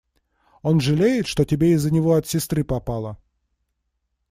Он жалеет, что тебе из-за него от сестры попало.